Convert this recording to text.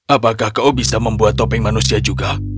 apakah kau bisa membuat topeng manusia juga